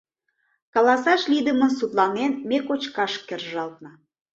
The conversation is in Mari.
Каласаш лийдымын сутланен, ме кочкаш кержалтна.